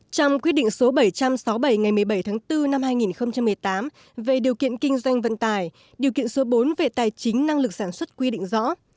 trong quyết định số bảy trăm sáu mươi bảy ngày một mươi bảy tháng bốn năm hai nghìn một mươi tám về điều kiện kinh doanh vận tải điều kiện số bốn về tài chính năng lực sản xuất quy định rõ